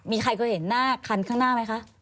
มีใครเคยเห็นหน้าคันข้างหน้าไหมคะ